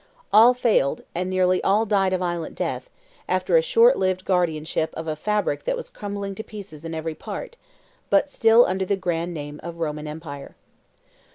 All failed, and nearly all died a violent death, after a short lived guardianship of a fabric that was crumbling to pieces in every part, but still under the grand name of Roman Empire.